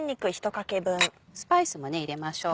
スパイスも入れましょう。